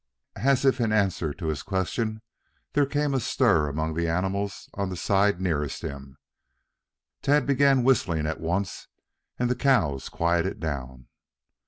As if in answer to his question there came a stir among the animals on the side nearest him. Tad began whistling at once and the cows quieted down.